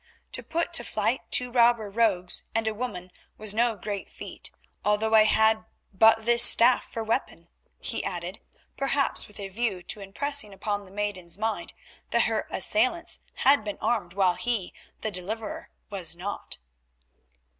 "To put to flight two robber rogues and a woman was no great feat, although I had but this staff for weapon," he added, perhaps with a view to impressing upon the maiden's mind that her assailants had been armed while he, the deliverer, was not.